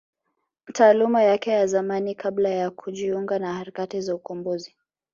Taaluma yake ya zamani kabla ya kujiunga na harakati za ukombozi